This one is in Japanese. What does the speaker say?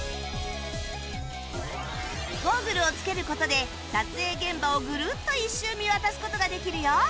ゴーグルをつける事で撮影現場をグルッと一周見渡す事ができるよ